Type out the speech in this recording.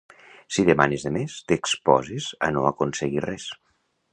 Si demanes de més, t'exposes a no aconseguir res.